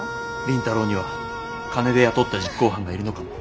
倫太郎には金で雇った実行犯がいるのかも。